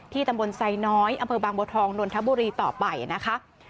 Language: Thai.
ตำบลไซน้อยอำเภอบางบัวทองนนทบุรีต่อไปนะคะ